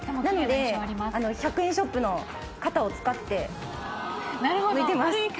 なので１００円ショップの型を使って抜いてます。